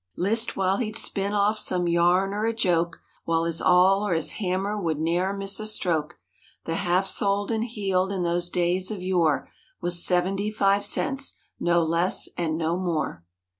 15 List while he'd spin off some yarn or a joke— While his awl or his hammer would ne'er miss a stroke. The "half soled and heeled" in those days of yore Was "seventy five cents"—no less and no more.